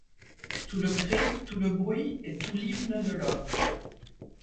Tout le cri, tout le bruit et tout l’hymne de l’homme